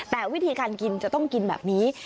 แต่วิธีการกินจะต้องกินแบบนี้